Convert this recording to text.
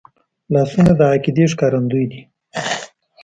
لاسونه د عقیدې ښکارندوی دي